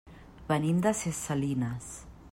Venim de ses Salines.